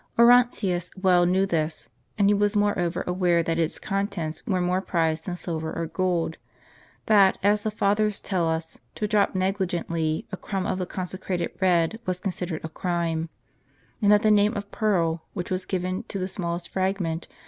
* Orontius well knew this ; and he was more over aware that its contents were more prized than silver or gold ; that, as the Fathers tell us, to drop negligently a crumb of the consecrated bread was considered a crime ; t and that the name of "pearl," which was given to the smallest frag ment